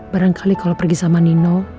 barangkali kalau pergi sama nino